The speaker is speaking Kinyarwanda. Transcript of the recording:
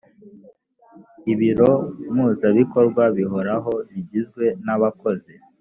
Ibiro Mpuzabikorwa Bihoraho bigizwe n abakozi